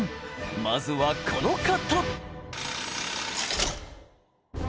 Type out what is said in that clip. まずはこの方！